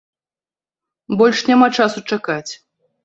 Больш няма часу чакаць.